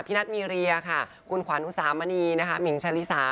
พี่นัทมีเรียคุณขวานุสามณีมิงชาลิซา